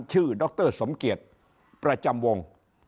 ดรสมเกียจประจำวง